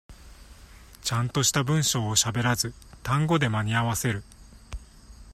ちゃんとした文章をしゃべらず、単語で間に合わせる。